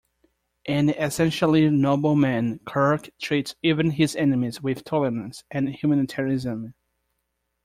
An essentially noble man, Kirk treats even his enemies with tolerance and humanitarianism.